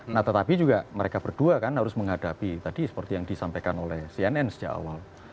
nah tetapi juga mereka berdua kan harus menghadapi tadi seperti yang disampaikan oleh cnn sejak awal